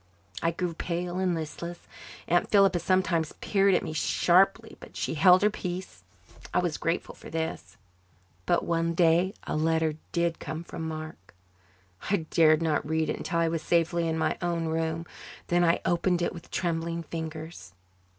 I grew pale and listless. Aunt Philippa sometimes peered at me sharply, but she held her peace. I was grateful for this. But one day a letter did come from Mark. I dared not read it until I was safely in my own room. Then I opened it with trembling fingers.